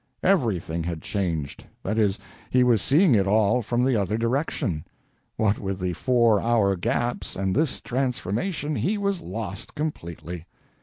Everything had changed that is, he was seeing it all from the other direction. What with the four hour gaps and this transformation, he was lost completely.